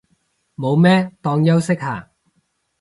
冇咩，當休息下